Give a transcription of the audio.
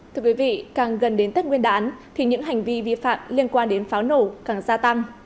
thưa quý vị càng gần đến tết nguyên đán thì những hành vi vi phạm liên quan đến pháo nổ càng gia tăng